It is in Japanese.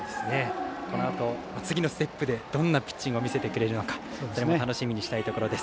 このあと、次のステップでどんなピッチングを見せてくれるか楽しみにしたいです。